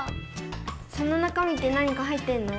その中身って何か入ってんの？